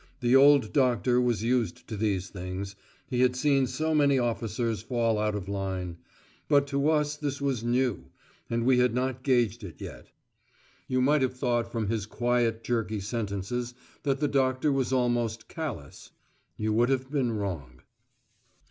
The old doctor was used to these things. He had seen so many officers fall out of line. But to us this was new, and we had not gauged it yet. You might have thought from his quiet jerky sentences that the doctor was almost callous. You would have been wrong.